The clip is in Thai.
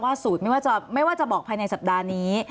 สูตรไม่ว่าจะบอกภายในสัปดาห์นี้